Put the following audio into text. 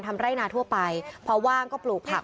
ทำไร่นาทั่วไปเพราะว่างก็ปลูกผัก